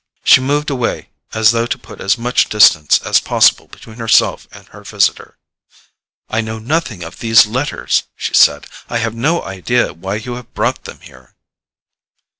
She moved away, as though to put as much distance as possible between herself and her visitor. "I know nothing of these letters," she said; "I have no idea why you have brought them here."